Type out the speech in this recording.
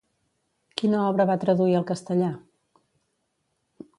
Quina obra va traduir al castellà?